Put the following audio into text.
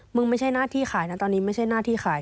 ไม่ใช่หน้าที่ขายนะตอนนี้ไม่ใช่หน้าที่ขาย